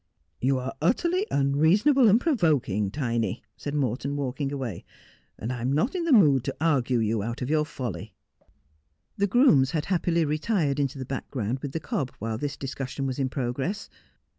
' You are utterly unreasonable and provoking, Tiny,' said Morton, walking away, ' and I am not in the mood to argue you out of your folly.' The grooms had happily retired into the background with the cob while this discussion was in progress.